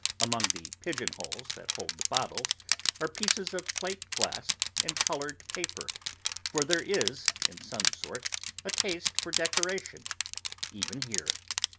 Among the pigeon holes that hold the bottles, are pieces of plate glass and coloured paper, for there is, in some sort, a taste for decoration, even here.